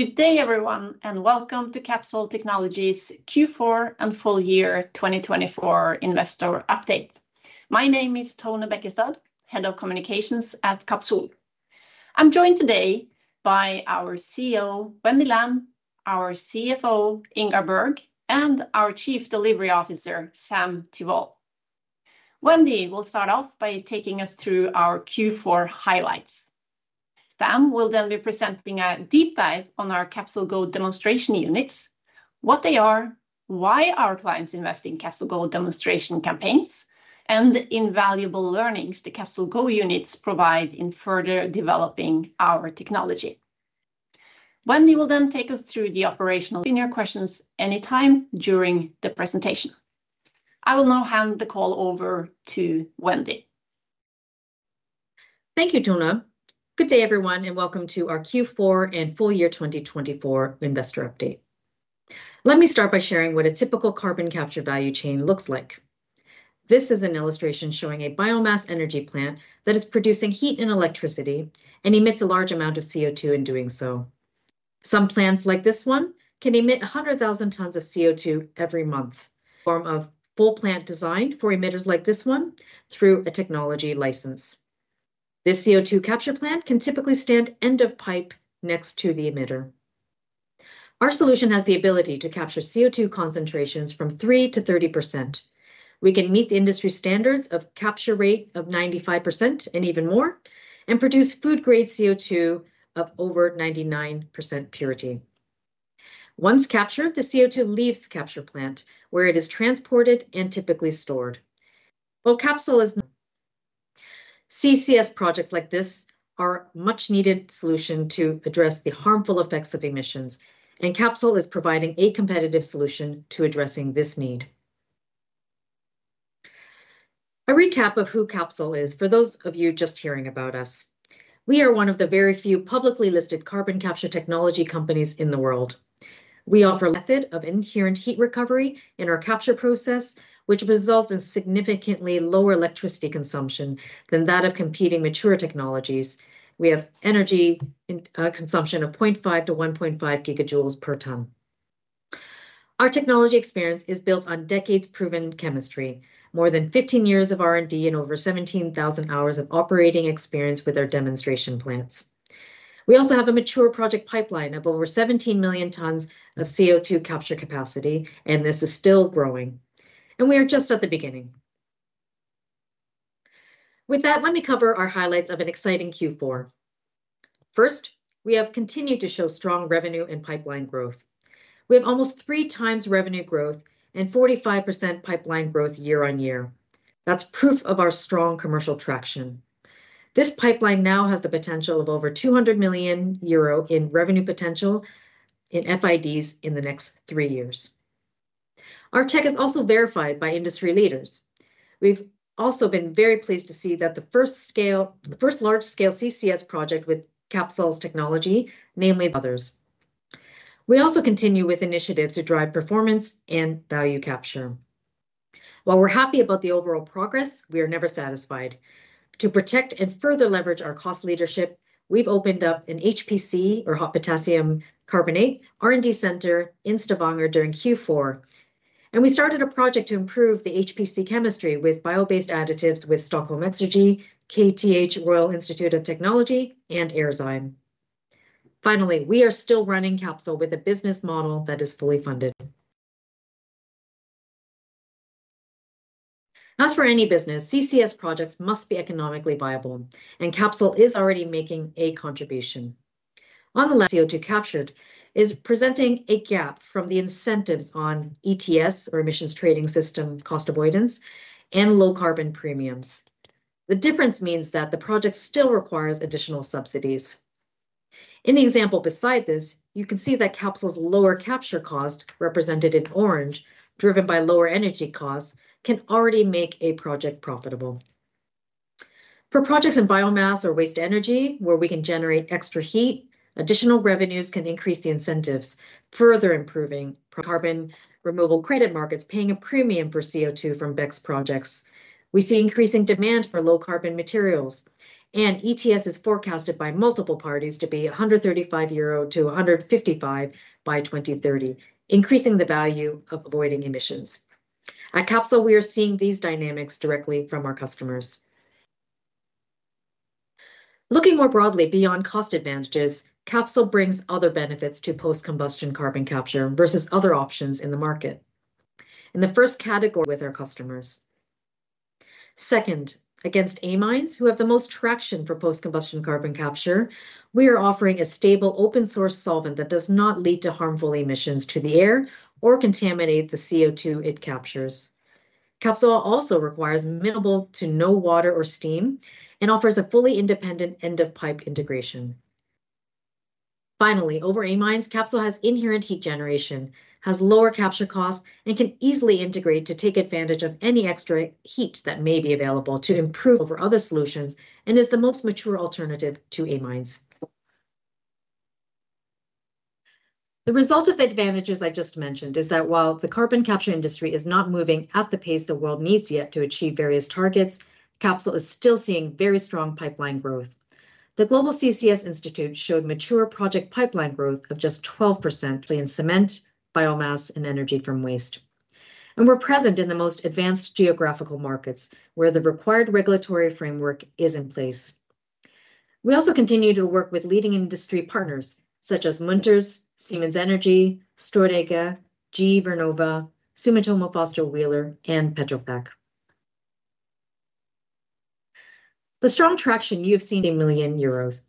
Good day, everyone, and welcome to Capsol Technologies' Q4 and Full Year 2024 Investor Update. My name is Tone Bekkestad, Head of Communications at Capsol. I'm joined today by our CEO, Wendy Lam, our CFO, Ingar Bergh, and our Chief Delivery Officer, Sam Thivolle. Wendy will start off by taking us through our Q4 highlights. Sam will then be presenting a deep dive on our CapsolGo demonstration units, what they are, why our clients invest in CapsolGo demonstration campaigns, and the invaluable learnings the CapsolGo units provide in further developing our technology. Wendy will then take us through the operational. You have questions anytime during the presentation. I will now hand the call over to Wendy. Thank you, Tone. Good day, everyone, and welcome to our Q4 and Full Year 2024 Investor Update. Let me start by sharing what a typical carbon capture value chain looks like. This is an illustration showing a biomass energy plant that is producing heat and electricity and emits a large amount of CO2 in doing so. Some plants, like this one, can emit 100,000 tons of CO2 every month. Form of full plant design for emitters like this one through a technology license. This CO2 capture plant can typically stand end of pipe next to the emitter. Our solution has the ability to capture CO2 concentrations from 3% to 30%. We can meet the industry standards of capture rate of 95% and even more, and produce food-grade CO2 of over 99% purity. Once captured, the CO2 leaves the capture plant where it is transported and typically stored. While Capsol CCS projects like this are a much-needed solution to address the harmful effects of emissions, and Capsol is providing a competitive solution to addressing this need. A recap of who Capsol is for those of you just hearing about us. We are one of the very few publicly listed carbon capture technology companies in the world. We offer a method of inherent heat recovery in our capture process, which results in significantly lower electricity consumption than that of competing mature technologies. We have energy consumption of 0.5-1.5GJ/ton. Our technology experience is built on decades-proven chemistry, more than 15 years of R&D, and over 17,000 hours of operating experience with our demonstration plants. We also have a mature project pipeline of over 17 million tons of CO2 capture capacity, and this is still growing. We are just at the beginning. With that, let me cover our highlights of an exciting Q4. First, we have continued to show strong revenue and pipeline growth. We have almost three times revenue growth and 45% pipeline growth year-on-year. That's proof of our strong commercial traction. This pipeline now has the potential of over 200 million euro in revenue potential in FIDs in the next three years. Our tech is also verified by industry leaders. We've also been very pleased to see that the first large-scale CCS project with Capsol's technology, namely... Others. We also continue with initiatives to drive performance and value capture. While we're happy about the overall progress, we are never satisfied. To protect and further leverage our cost leadership, we've opened up an HPC, or Hot Potassium Carbonate, R&D center in Stavanger during Q4. We started a project to improve the HPC chemistry with bio-based additives with Stockholm Exergi, KTH Royal Institute of Technology, and RISE. Finally, we are still running Capsol with a business model that is fully funded. As for any business, CCS projects must be economically viable, and Capsol is already making a contribution. On the CO2 captured, there is a gap from the incentives on ETS, or Emissions Trading System cost avoidance, and low carbon premiums. The difference means that the project still requires additional subsidies. In the example beside this, you can see that Capsol's lower capture cost, represented in orange, driven by lower energy costs, can already make a project profitable. For projects in biomass or waste energy, where we can generate extra heat, additional revenues can increase the incentives, further improving carbon removal credit markets, paying a premium for CO2 from BECCS projects. We see increasing demand for low carbon materials, and ETS is forecasted by multiple parties to be 135-155 euro by 2030, increasing the value of avoiding emissions. At Capsol, we are seeing these dynamics directly from our customers. Looking more broadly beyond cost advantages, Capsol brings other benefits to post-combustion carbon capture versus other options in the market. In the first category with our customers. Second, against amines who have the most traction for post-combustion carbon capture, we are offering a stable open-source solvent that does not lead to harmful emissions to the air or contaminate the CO2 it captures. Capsol also requires minimal to no water or steam and offers a fully independent end-of-pipe integration. Finally, over amines, Capsol has inherent heat generation, has lower capture costs, and can easily integrate to take advantage of any extra heat that may be available to improve over other solutions and is the most mature alternative to amines. The result of the advantages I just mentioned is that while the carbon capture industry is not moving at the pace the world needs yet to achieve various targets, Capsol is still seeing very strong pipeline growth. The Global CCS Institute showed mature project pipeline growth of just 12% in cement, biomass, and energy from waste. We are present in the most advanced geographical markets where the required regulatory framework is in place. We also continue to work with leading industry partners such as Munters, Siemens Energy, Strabag, GE Vernova, Sumitomo SHI FW, and Petrofac. The strong traction you have seen 10 million euros.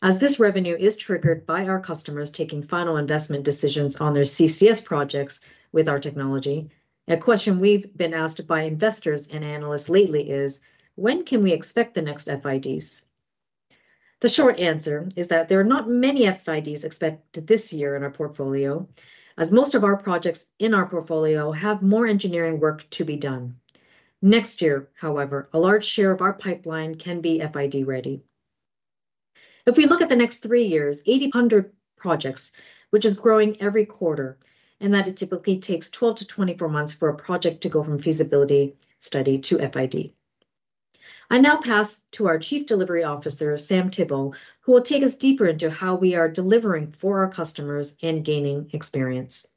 As this revenue is triggered by our customers taking final investment decisions on their CCS projects with our technology, a question we've been asked by investors and analysts lately is, when can we expect the next FIDs? The short answer is that there are not many FIDs expected this year in our portfolio, as most of our projects in our portfolio have more engineering work to be done. Next year, however, a large share of our pipeline can be FID ready. If we look at the next three years, 800 projects, which is growing every quarter, and that it typically takes 12-24 months for a project to go from feasibility study to FID. I now pass to our Chief Delivery Officer, Sam Thivolle, who will take us deeper into how we are delivering for our customers and gaining experience.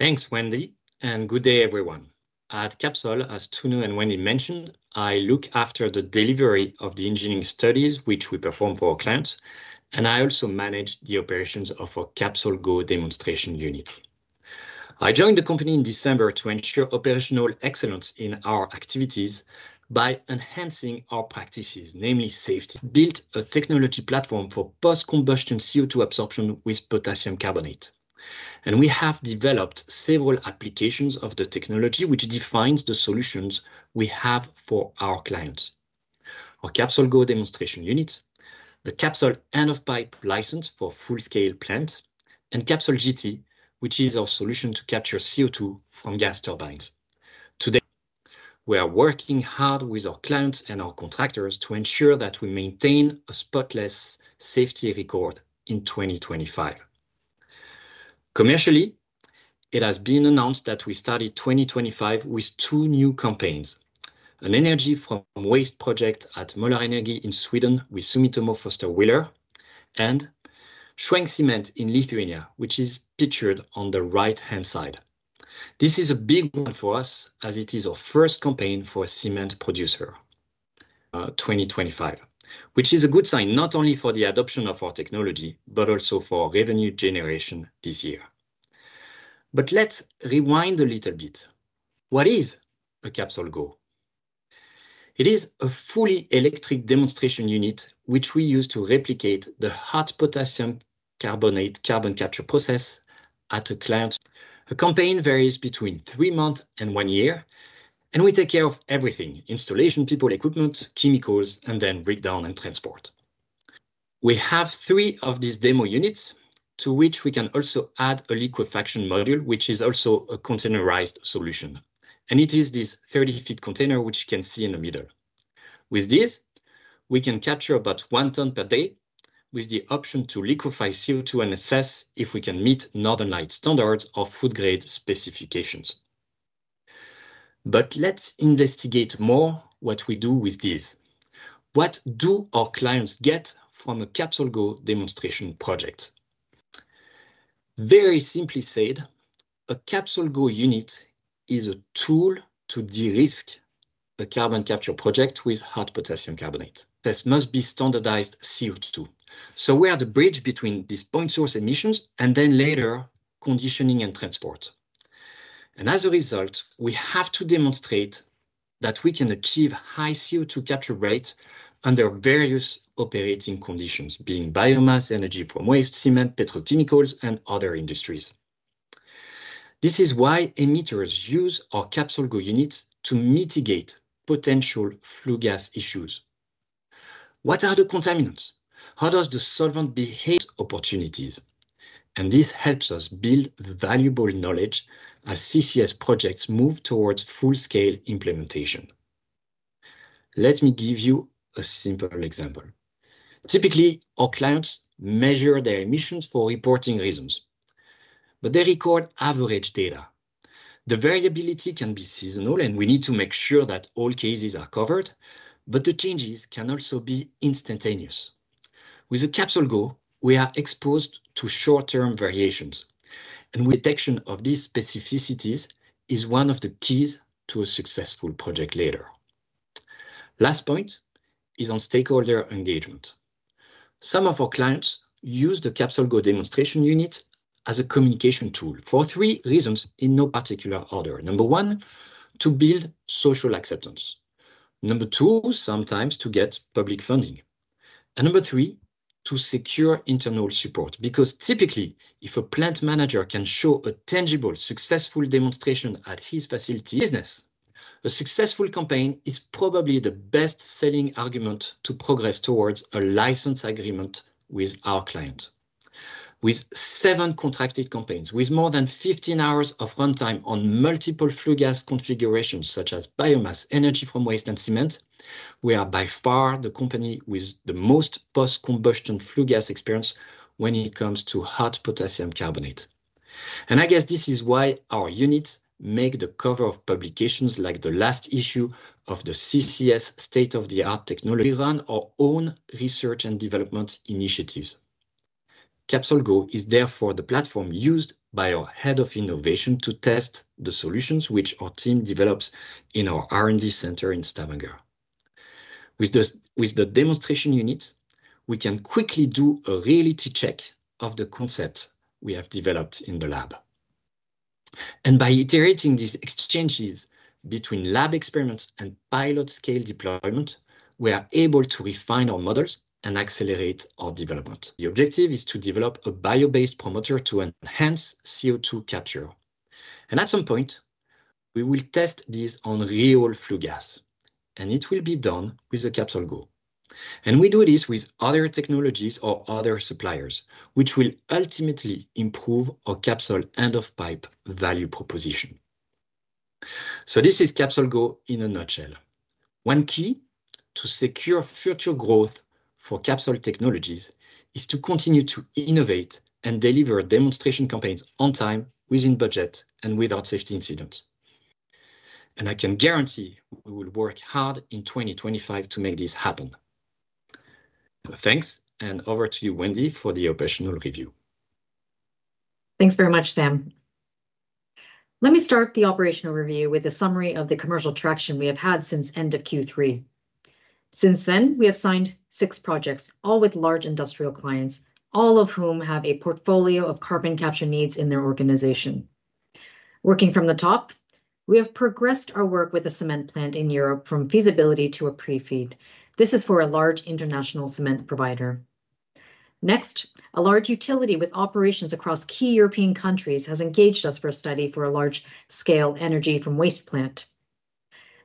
Thanks, Wendy, and good day, everyone. At Capsol, as Tone and Wendy mentioned, I look after the delivery of the engineering studies, which we perform for our clients, and I also manage the operations of our CapsolGo demonstration unit. I joined the company in December to ensure operational excellence in our activities by enhancing our practices, namely safety. Built a technology platform for post-combustion CO2 absorption with potassium carbonate. We have developed several applications of the technology, which defines the solutions we have for our clients: our CapsolGo demonstration unit, the Capsol end-of-pipe license for full-scale plants, and CapsolGT, which is our solution to capture CO2 from gas turbines. Today, we are working hard with our clients and our contractors to ensure that we maintain a spotless safety record in 2025. Commercially, it has been announced that we started 2025 with two new campaigns: an energy-from-waste project at Mälarenergi in Sweden with Sumitomo SHI FW, and Schwenk Cement in Lithuania, which is pictured on the right-hand side. This is a big one for us, as it is our first campaign for a cement producer in 2025, which is a good sign not only for the adoption of our technology, but also for revenue generation this year. Let's rewind a little bit. What is a CapsolGo? It is a fully electric demonstration unit, which we use to replicate the hot potassium carbonate carbon capture process at a client. The campaign varies between three months and one year, and we take care of everything: installation, people, equipment, chemicals, and then breakdown and transport. We have three of these demo units, to which we can also add a liquefaction module, which is also a containerized solution. It is this 30-foot container, which you can see in the middle. With this, we can capture about one ton per day, with the option to liquefy CO2 and assess if we can meet Northern Lights standards or food-grade specifications. Let's investigate more what we do with this. What do our clients get from a CapsolGo demonstration project? Very simply said, a CapsolGo unit is a tool to de-risk a carbon capture project with hot potassium carbonate. This must be standardized CO2. We are the bridge between these point source emissions and then later conditioning and transport. As a result, we have to demonstrate that we can achieve high CO2 capture rates under various operating conditions, being biomass, energy from waste, cement, petrochemicals, and other industries. This is why emitters use our CapsolGo units to mitigate potential flue gas issues. What are the contaminants? How does the solvent behave? Opportunities. This helps us build valuable knowledge as CCS projects move towards full-scale implementation. Let me give you a simple example. Typically, our clients measure their emissions for reporting reasons, but they record average data. The variability can be seasonal, and we need to make sure that all cases are covered, but the changes can also be instantaneous. With a CapsolGo, we are exposed to short-term variations, and detection of these specificities is one of the keys to a successful project later. Last point is on stakeholder engagement. Some of our clients use the CapsolGo demonstration unit as a communication tool for three reasons in no particular order. Number one, to build social acceptance. Number two, sometimes to get public funding. Number three, to secure internal support. Because typically, if a plant manager can show a tangible successful demonstration at his facility business, a successful campaign is probably the best-selling argument to progress towards a license agreement with our client. With seven contracted campaigns, with more than 15 hours of runtime on multiple flue gas configurations, such as biomass, energy from waste, and cement, we are by far the company with the most post-combustion flue gas experience when it comes to hot potassium carbonate. I guess this is why our units make the cover of publications like the last issue of the CCS state-of-the-art technology. We run our own research and development initiatives. CapsolGo is therefore the platform used by our Head of Innovation to test the solutions which our team develops in our R&D center in Stavanger. With the demonstration units, we can quickly do a reality check of the concepts we have developed in the lab. By iterating these exchanges between lab experiments and pilot-scale deployment, we are able to refine our models and accelerate our development. The objective is to develop a bio-based promoter to enhance CO2 capture. At some point, we will test this on real flue gas, and it will be done with a CapsolGo. We do this with other technologies or other suppliers, which will ultimately improve our Capsol end-of-pipe value proposition. This is CapsolGo in a nutshell. One key to secure future growth for Capsol Technologies is to continue to innovate and deliver demonstration campaigns on time, within budget, and without safety incidents. I can guarantee we will work hard in 2025 to make this happen. Thanks, over to you, Wendy, for the operational review. Thanks very much, Sam. Let me start the operational review with a summary of the commercial traction we have had since end of Q3. Since then, we have signed six projects, all with large industrial clients, all of whom have a portfolio of carbon capture needs in their organization. Working from the top, we have progressed our work with a cement plant in Europe from feasibility to a Pre-FEED. This is for a large international cement provider. Next, a large utility with operations across key European countries has engaged us for a study for a large-scale energy from waste plant.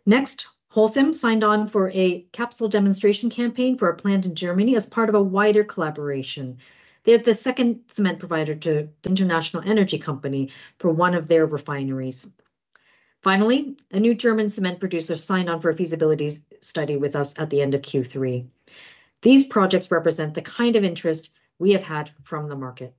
Next, Holcim signed on for a Capsol demonstration campaign for a plant in Germany as part of a wider collaboration. They are the second cement provider to an international energy company for one of their refineries. Finally, a new German cement producer signed on for a feasibility study with us at the end of Q3. These projects represent the kind of interest we have had from the market.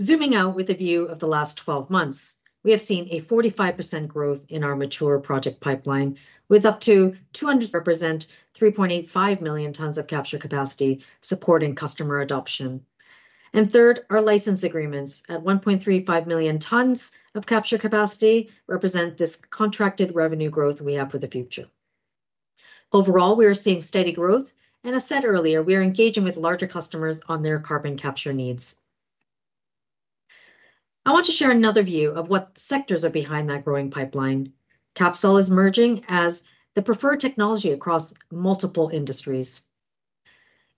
Zooming out with a view of the last 12 months, we have seen a 45% growth in our mature project pipeline with up to 200. Represent 3.85 million tons of capture capacity supporting customer adoption. Third, our license agreements at 1.35 million tons of capture capacity represent this contracted revenue growth we have for the future. Overall, we are seeing steady growth, and as said earlier, we are engaging with larger customers on their carbon capture needs. I want to share another view of what sectors are behind that growing pipeline. Capsol is merging as the preferred technology across multiple industries.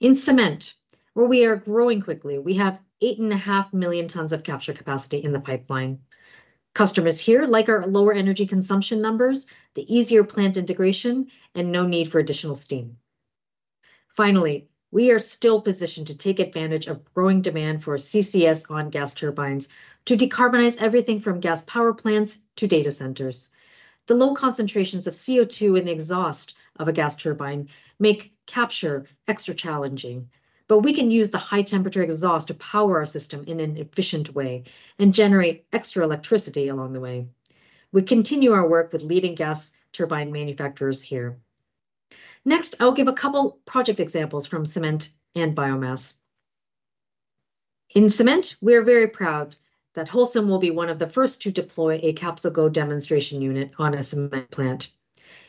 In cement, where we are growing quickly, we have 8.5 million tons of capture capacity in the pipeline. Customers here like our lower energy consumption numbers, the easier plant integration, and no need for additional steam. Finally, we are still positioned to take advantage of growing demand for CCS on gas turbines to decarbonize everything from gas power plants to data centers. The low concentrations of CO2 in the exhaust of a gas turbine make capture extra challenging, but we can use the high-temperature exhaust to power our system in an efficient way and generate extra electricity along the way. We continue our work with leading gas turbine manufacturers here. Next, I'll give a couple of project examples from cement and biomass. In cement, we are very proud that Holcim will be one of the first to deploy a CapsolGo demonstration unit on a cement plant.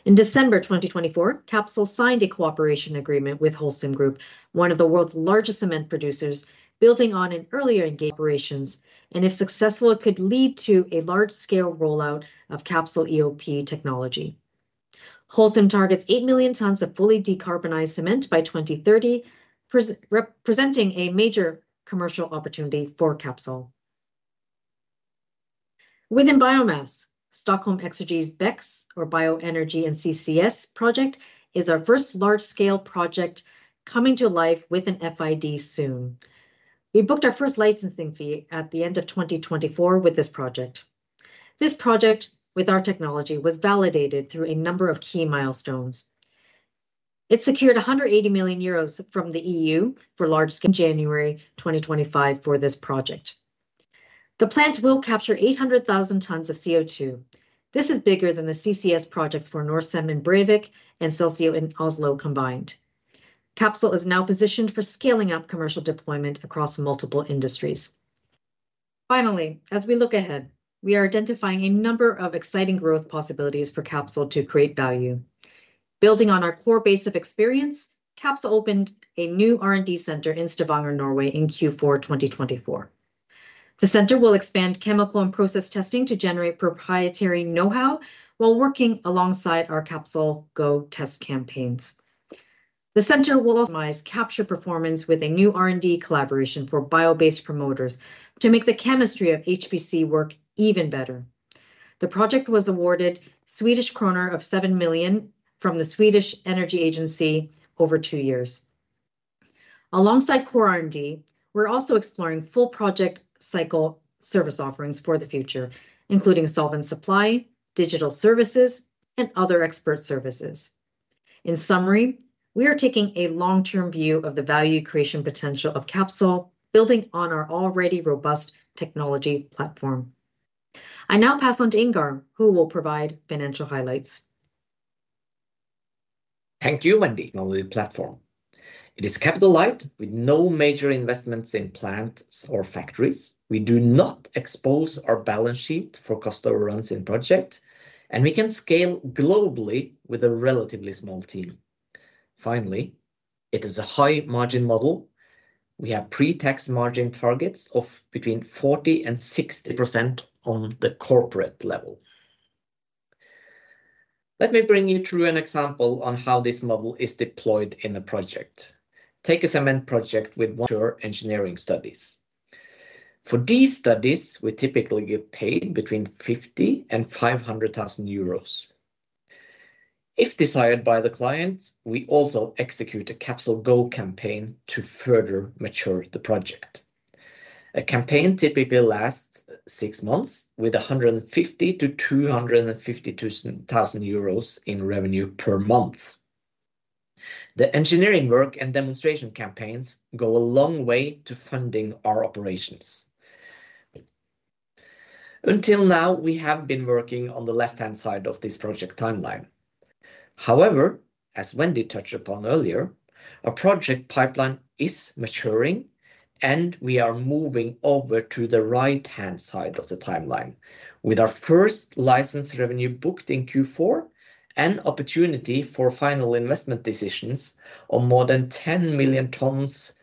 In December 2024, Capsol signed a cooperation agreement with Holcim, one of the world's largest cement producers, building on an earlier engagement. Operations, and if successful, it could lead to a large-scale rollout of CapsolEoP technology. Holcim targets 8 million tons of fully decarbonized cement by 2030, presenting a major commercial opportunity for Capsol. Within biomass, Stockholm Exergi's BECCS, or Bioenergy and CCS project, is our first large-scale project coming to life with an FID soon. We booked our first licensing fee at the end of 2024 with this project. This project with our technology was validated through a number of key milestones. It secured 180 million euros from the EU for large. In January 2025 for this project. The plant will capture 800,000 tons of CO2. This is bigger than the CCS projects for Norcem in Brevik and Celsio in Oslo combined. Capsol is now positioned for scaling up commercial deployment across multiple industries. Finally, as we look ahead, we are identifying a number of exciting growth possibilities for Capsol to create value. Building on our core base of experience, Capsol opened a new R&D center in Stavanger, Norway, in Q4 2024. The center will expand chemical and process testing to generate proprietary know-how while working alongside our CapsolGo test campaigns. The center will also optimize capture performance with a new R&D collaboration for bio-based promoters to make the chemistry of HPC work even better. The project was awarded 7 million Swedish kronor from the Swedish Energy Agency over two years. Alongside core R&D, we're also exploring full project cycle service offerings for the future, including solvent supply, digital services, and other expert services. In summary, we are taking a long-term view of the value creation potential of Capsol, building on our already robust technology platform. I now pass on to Ingar, who will provide financial highlights. Thank you, Wendy. Technology platform. It is capitalized with no major investments in plants or factories. We do not expose our balance sheet for customer runs in project, and we can scale globally with a relatively small team. Finally, it is a high-margin model. We have pre-tax margin targets of between 40-60% on the corporate level. Let me bring you through an example on how this model is deployed in a project. Take a cement project with mature engineering studies. For these studies, we typically get paid between 50,000-500,000 euros. If desired by the client, we also execute a CapsolGo campaign to further mature the project. A campaign typically lasts six months with 150,000-250,000 euros in revenue per month. The engineering work and demonstration campaigns go a long way to funding our operations. Until now, we have been working on the left-hand side of this project timeline. However, as Wendy touched upon earlier, our project pipeline is maturing, and we are moving over to the right-hand side of the timeline with our first license revenue booked in Q4 and opportunity for final investment decisions on more than 10 million tons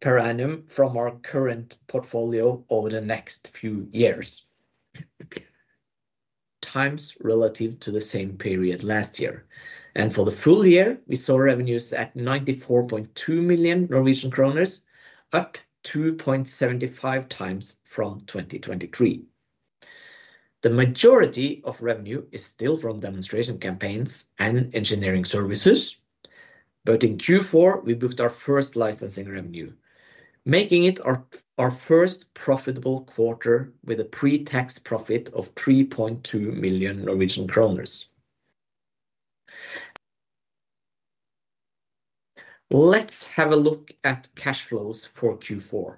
per annum from our current portfolio over the next few years. Times relative to the same period last year. For the full year, we saw revenues at 94.2 million Norwegian kroner, up 2.75 times from 2023. The majority of revenue is still from demonstration campaigns and engineering services, but in Q4, we booked our first licensing revenue, making it our first profitable quarter with a pre-tax profit of 3.2 million Norwegian kroner. Let's have a look at cash flows for Q4.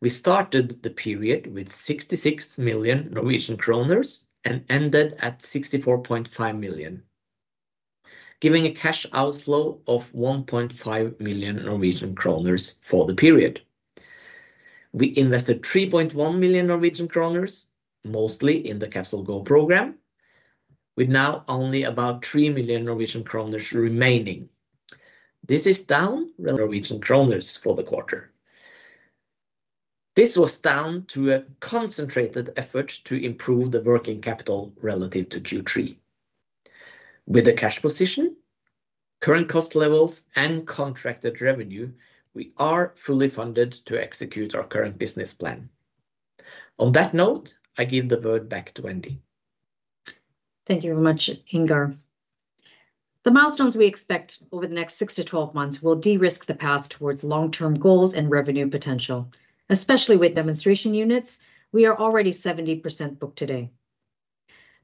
We started the period with 66 million Norwegian kroner and ended at 64.5 million, giving a cash outflow of 1.5 million Norwegian kroner for the period. We invested 3.1 million Norwegian kroner, mostly in the CapsolGo program, with now only about 3 million Norwegian kroner remaining. This is down. NOK for the quarter. This was down to a concentrated effort to improve the working capital relative to Q3. With the cash position, current cost levels, and contracted revenue, we are fully funded to execute our current business plan. On that note, I give the word back to Wendy. Thank you very much, Ingar. The milestones we expect over the next six to twelve months will de-risk the path towards long-term goals and revenue potential, especially with demonstration units. We are already 70% booked today.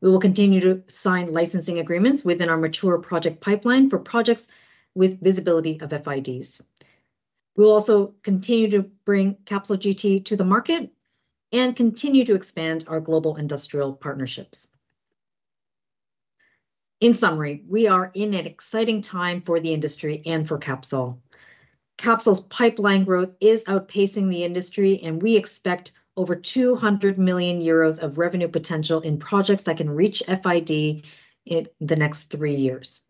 We will continue to sign licensing agreements within our mature project pipeline for projects with visibility of FIDs. We will also continue to bring CapsolGT to the market and continue to expand our global industrial partnerships. In summary, we are in an exciting time for the industry and for Capsol. Capsol's pipeline growth is outpacing the industry, and we expect over 200 million euros of revenue potential in projects that can reach FID in the next three years.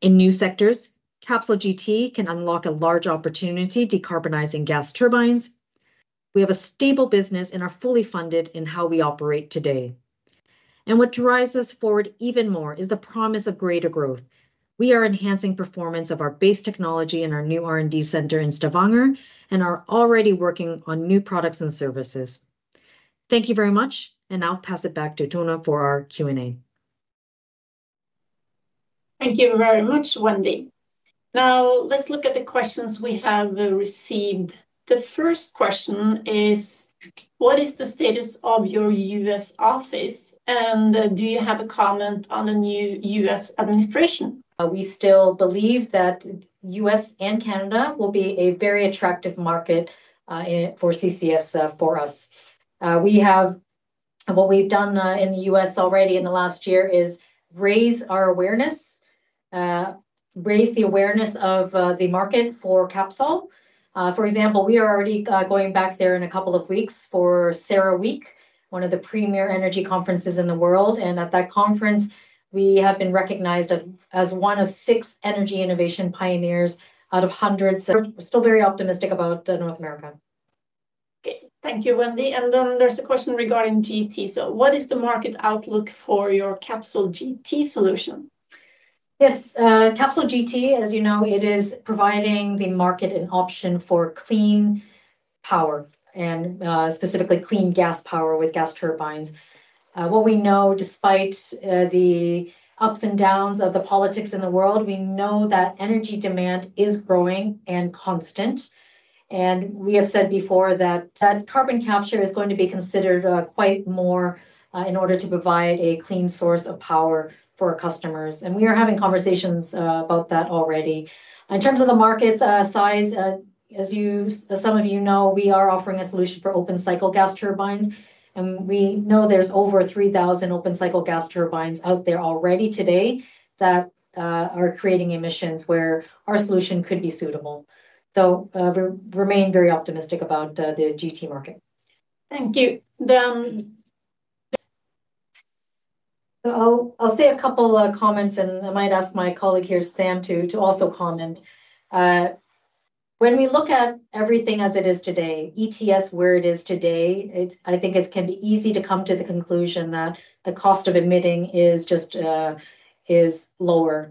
In new sectors, CapsolGT can unlock a large opportunity decarbonizing gas turbines. We have a stable business and are fully funded in how we operate today. What drives us forward even more is the promise of greater growth. We are enhancing performance of our base technology in our new R&D center in Stavanger and are already working on new products and services. Thank you very much, and I'll pass it back to Tone for our Q&A. Thank you very much, Wendy. Now, let's look at the questions we have received. The first question is, what is the status of your U.S. office, and do you have a comment on the new U.S. administration? We still believe that the U.S. and Canada will be a very attractive market for CCS for us. What we've done in the U.S. already in the last year is raise our awareness, raise the awareness of the market for Capsol. For example, we are already going back there in a couple of weeks for CERAWeek, one of the premier energy conferences in the world. At that conference, we have been recognized as one of six energy innovation pioneers out of hundreds. We're still very optimistic about North America. Okay, thank you, Wendy. There is a question regarding GT. What is the market outlook for your CapsolGT solution? Yes, Capsol GT, as you know, it is providing the market an option for clean power and specifically clean gas power with gas turbines. What we know, despite the ups and downs of the politics in the world, we know that energy demand is growing and constant. We have said before that carbon capture is going to be considered quite more in order to provide a clean source of power for our customers. We are having conversations about that already. In terms of the market size, as some of you know, we are offering a solution for open-cycle gas turbines. We know there are over 3,000 open-cycle gas turbines out there already today that are creating emissions where our solution could be suitable. I remain very optimistic about the GT market. Thank you. I will say a couple of comments, and I might ask my colleague here, Sam, to also comment. When we look at everything as it is today, ETS where it is today, I think it can be easy to come to the conclusion that the cost of emitting is lower.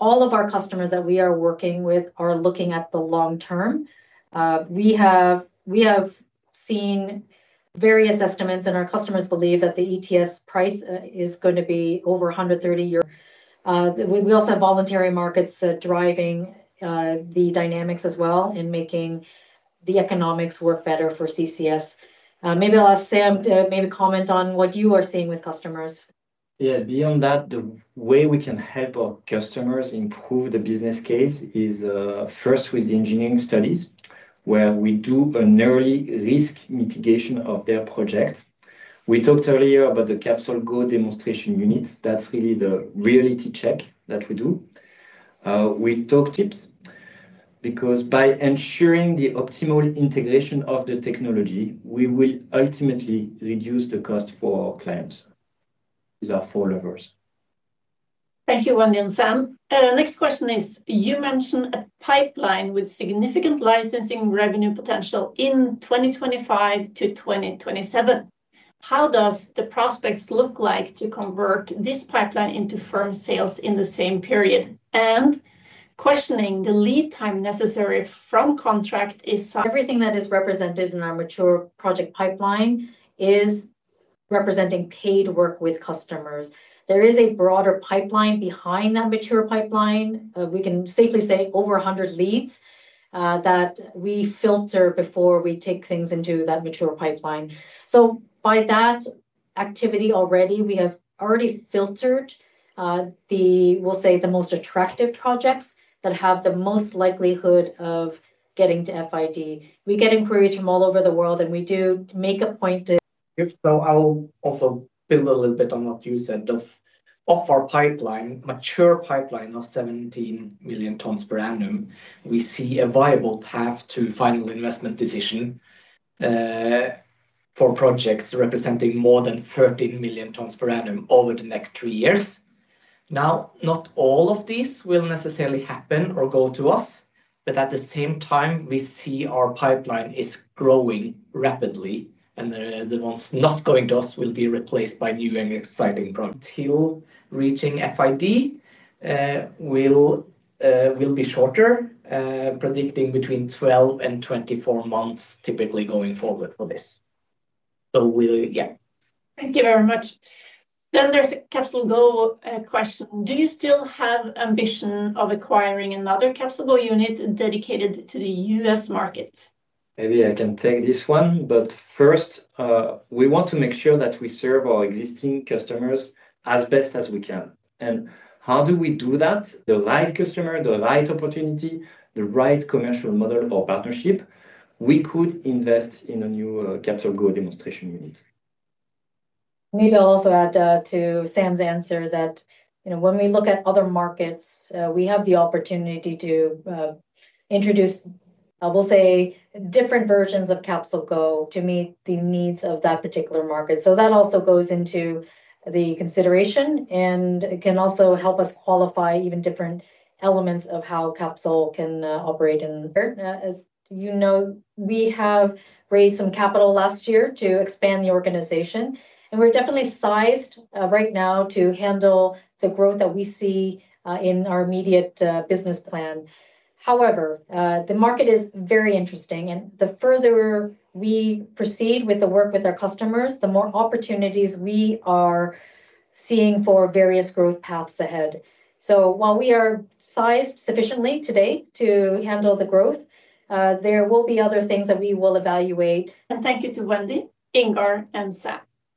All of our customers that we are working with are looking at the long term. We have seen various estimates, and our customers believe that the ETS price is going to be over 130 euros. We also have voluntary markets driving the dynamics as well and making the economics work better for CCS. Maybe I will ask Sam to maybe comment on what you are seeing with customers. Yeah, beyond that, the way we can help our customers improve the business case is first with the engineering studies, where we do an early risk mitigation of their projects. We talked earlier about the CapsolGo demonstration units. That's really the reality check that we do. We talk tips. Because by ensuring the optimal integration of the technology, we will ultimately reduce the cost for our clients. These are four levers. Thank you, Wendy and Sam. Next question is, you mentioned a pipeline with significant licensing revenue potential in 2025 to 2027. How does the prospects look like to convert this pipeline into firm sales in the same period? Questioning the lead time necessary from contract is. Everything that is represented in our mature project pipeline is representing paid work with customers. There is a broader pipeline behind that mature pipeline. We can safely say over 100 leads that we filter before we take things into that mature pipeline. By that activity already, we have already filtered the, we'll say, the most attractive projects that have the most likelihood of getting to FID. We get inquiries from all over the world, and we do make a point. If so, I'll also build a little bit on what you said of our pipeline, mature pipeline of 17 million tons per annum. We see a viable path to final investment decision for projects representing more than 13 million tons per annum over the next three years. Now, not all of these will necessarily happen or go to us, but at the same time, we see our pipeline is growing rapidly, and the ones not going to us will be replaced by new and exciting. Until reaching FID will be shorter, predicting between 12-24 months typically going forward for this. We'll, yeah. Thank you very much. There is a CapsolGo question. Do you still have ambition of acquiring another CapsolGo unit dedicated to the U.S. market? Maybe I can take this one, but first, we want to make sure that we serve our existing customers as best as we can. How do we do that? The right customer, the right opportunity, the right commercial model or partnership, we could invest in a new CapsolGo demonstration unit. Maybe I'll also add to Sam's answer that when we look at other markets, we have the opportunity to introduce, I will say, different versions of CapsolGo to meet the needs of that particular market. That also goes into the consideration, and it can also help us qualify even different elements of how Capsol can operate in. As you know, we have raised some capital last year to expand the organization, and we're definitely sized right now to handle the growth that we see in our immediate business plan. However, the market is very interesting, and the further we proceed with the work with our customers, the more opportunities we are seeing for various growth paths ahead. While we are sized sufficiently today to handle the growth, there will be other things that we will evaluate. Thank you to Wendy, Ingar, and Sam.